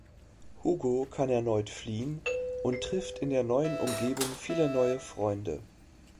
Hugo kann erneut fliehen und trifft in der neuen Umgebung viele neue Freunde.